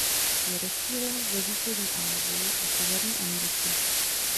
Je rozšířen ve východní Asii a Severní Americe.